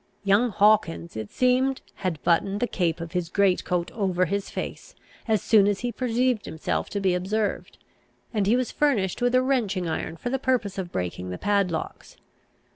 Young Hawkins, it seemed, had buttoned the cape of his great coat over his face, as soon as he perceived himself to be observed, and he was furnished with a wrenching iron for the purpose of breaking the padlocks.